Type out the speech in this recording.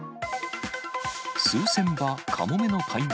数千羽、カモメの大群。